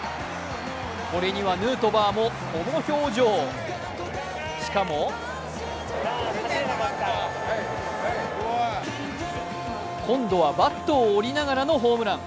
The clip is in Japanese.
これにはヌートバーもこの表情、しかも今度はバットを折りながらのホームラン。